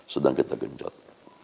sedang kita genjot